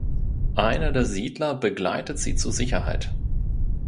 Einer der Siedler begleitet sie zur Sicherheit.